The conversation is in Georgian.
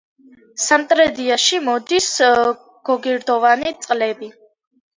სამტრედიაში მოდის გოგირდოვანი წყლები.